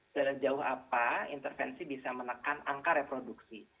sejauh apa intervensi bisa menekan angka reproduksi